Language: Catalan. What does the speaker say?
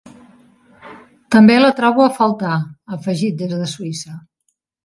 També la trobo a faltar ha afegit des de Suïssa.